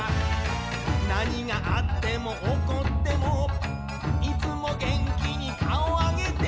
「何があっても起こっても」「いつも元気に顔上げて」